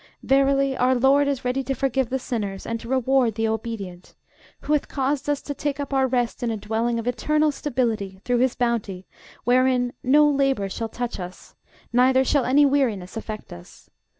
verily our LORD is ready to forgive the sinners, and to reward the obedient: who hath caused us to take up our rest in a dwelling of eternal stability, through his bounty, wherein no labor shall touch us, neither shall any weariness affect us.